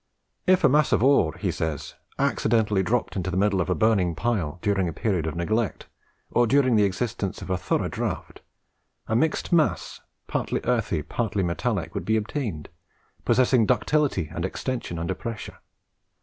"If a mass of ore," he says, "accidentally dropped into the middle of the burning pile during a period of neglect, or during the existence of a thorough draught, a mixed mass, partly earthy and partly metallic, would be obtained, possessing ductility and extension under pressure.